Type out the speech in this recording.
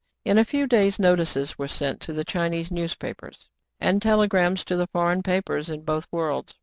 In a few days notices were sent to the Chinese news papers, and telegrams to the foreign papers in both worlds.